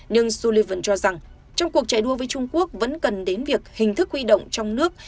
nhưng sullivan cho rằng trong cuộc chạy đua với trung quốc vẫn cần đến việc hình thức huy động trong nước